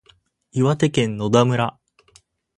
岩手県野田村